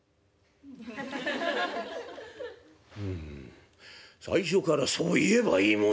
「うん最初からそう言えばいいものを」。